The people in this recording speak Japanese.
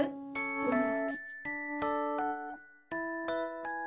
うん。